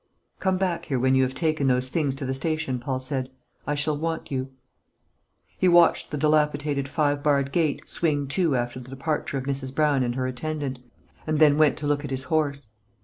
"Come back here when you have taken those things to the station," Paul said; "I shall want you." He watched the dilapidated five barred gate swing to after the departure of Mrs. Brown and her attendant, and then went to look at his horse.